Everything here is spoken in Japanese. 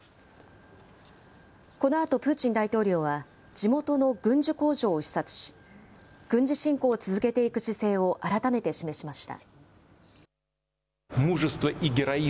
このあとプーチン大統領は、地元の軍需工場を視察し、軍事侵攻を続けていく姿勢を改めて示しました。